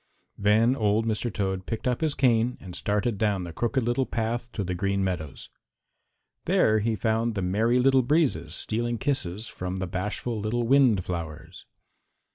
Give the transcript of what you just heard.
Then old Mr. Toad picked up his cane and started down the Crooked Little Path to the Green Meadows. There he found the Merry Little Breezes stealing kisses from the bashful little wind flowers.